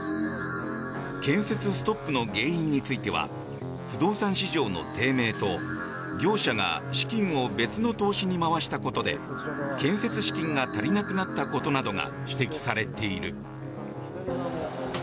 建設ストップの原因については不動産市場の低迷と業者が資金を別の投資に回したことで建設資金が足りなくなったことなどが指摘されている。